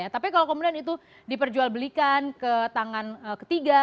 tapi kalau kemudian itu diperjual belikan ke tangan ketiga